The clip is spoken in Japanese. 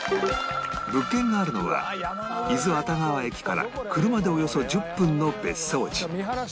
物件があるのは伊豆熱川駅から車でおよそ１０分の別荘地